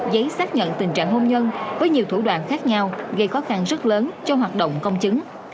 giấy xác nhận tình trạng hôn nhân với nhiều thủ đoạn khác nhau gây khó khăn rất lớn cho hoạt động công chứng